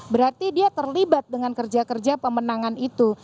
berarti dia terlibat dengan kerja kerja pemenangan itu